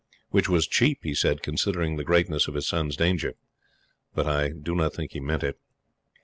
Which was cheap, he said, considering the greatness of his son's danger; but I do not think he meant it.